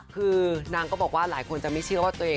คือนางก็บอกว่าหลายคนจะไม่เชื่อว่าตัวเอง